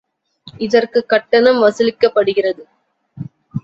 இதற்குக் கட்டணம் வசூலிக்கப்படுகிறது.